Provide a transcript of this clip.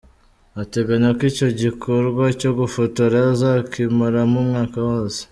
Ateganya ko icyo gikorwa cyo gufotora azakimaramo umwaka wose.